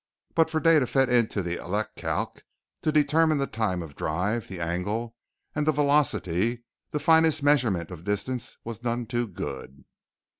But for data fed into the Elecalc to determine the time of drive, the angle, and the velocity, the finest measurement of distance was none too good.